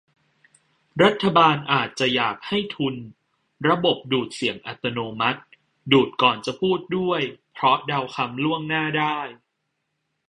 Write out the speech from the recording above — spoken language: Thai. รัฐบาลอาจจะอยากให้ทุน ระบบดูดเสียงอัตโนมัติ ดูดก่อนจะพูดด้วย เพราะเดาคำล่วงหน้าได้